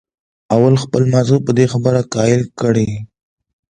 او خپل مازغۀ پۀ دې خبره قائل کړي